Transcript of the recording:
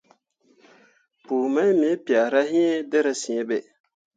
Pku mai me piahra iŋ dǝra sǝ̃ǝ̃be.